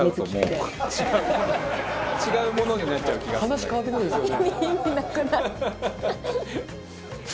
話変わってくるんですよね。